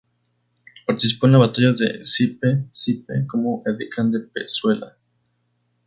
Participó en la Batalla de Sipe Sipe como edecán de Pezuela.